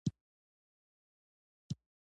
زلزلې نه ګوري پښتون او فارسي وان وطنه